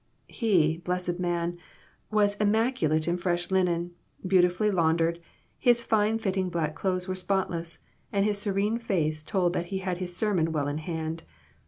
He, blessed man, was immaculate in fresh linen, beautifully laun^ dered ; his fine fitting black clothes were spotless, and his serene face told that he had his sermon well in hand.